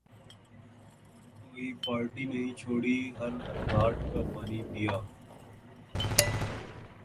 کوئی پارٹی نہیں چھوڑی، ہر گھاٹ کا پانی پیا۔